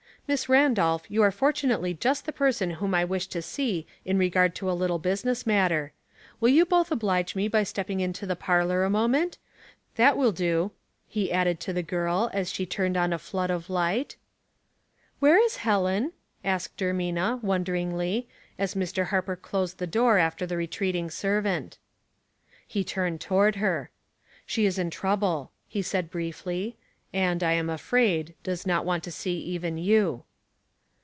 "Miss Randolph, you are fortunately just the person whom I wish to see in regard to a little business matter. Will you both oblige me by stepping into the parlor a moment? That will do," he added to the girl as she turned on a flood of light. A Prctector, 2G1 Where is Helen ?'' asked Ermina, wonder ingl}^, as Mr. Harper closed the door after the retreating servant. He turned toward her. " She is in trouble," he said, briefly ;" and, I am afraid, does not want to see even you."